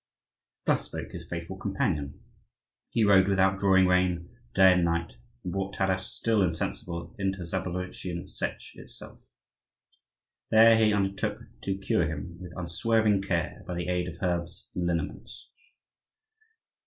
Thus spoke his faithful companion. He rode without drawing rein, day and night, and brought Taras still insensible into the Zaporozhian Setch itself. There he undertook to cure him, with unswerving care, by the aid of herbs and liniments.